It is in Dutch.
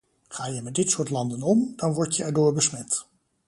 Ga je met dit soort landen om, dan wordt je erdoor besmet.